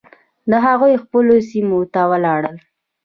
هغوی خپلو سیمو ته ولاړل.